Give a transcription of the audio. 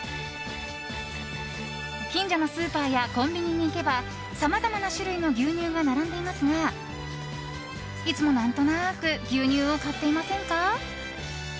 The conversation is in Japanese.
近所のスーパーやコンビニに行けばさまざまな種類の牛乳が並んでいますが、いつも何となく牛乳を買っていませんか？